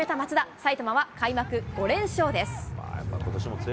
埼玉は開幕５連勝です。